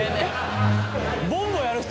ボンボやる人